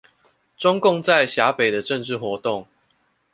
中共在陝北的政治活動